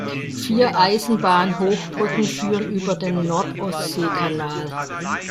Vier Eisenbahnhochbrücken führen über den Nord-Ostsee-Kanal.